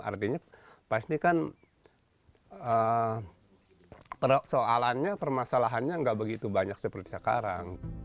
artinya pastikan soalannya permasalahannya gak begitu banyak seperti sekarang